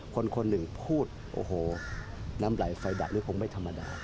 คนหนึ่งพูดโอ้โหน้ำไหลไฟดับหรือคงไม่ธรรมดา